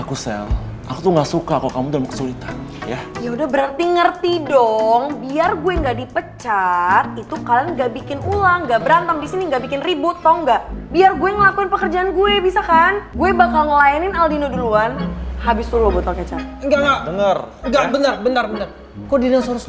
buset lo gak berantem mis